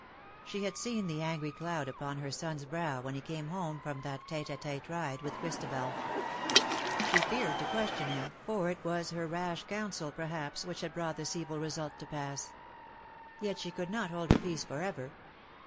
She had seen the angry cloud upon her son^s brow when he came home from that tete a tete ride with Christabel. She feared to question him^ for it was her rash counsel, perhaps, which had brought this evil result LOVES YOU AS OF OLD. o9 to pass. Yet she could not hold her peace for ever.